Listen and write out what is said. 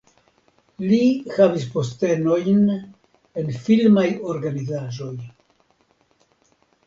Li havis postenojn en filmaj organizaĵoj.